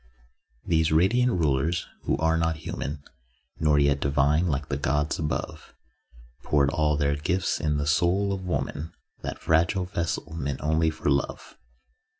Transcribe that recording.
These Radiant Rulers (who are not human Nor yet divine like the gods above) Poured all their gifts in the soul of woman, That fragile vessel meant only for love.